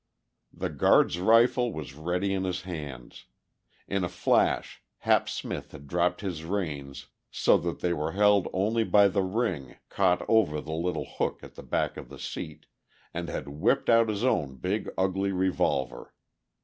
The guard's rifle was ready in his hands; in a flash Hap Smith had dropped his reins so that they were held only by the ring caught over the little hook at the back of the seat and had whipped out his own big ugly revolver.